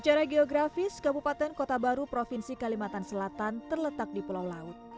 secara geografis kabupaten kota baru provinsi kalimantan selatan terletak di pulau laut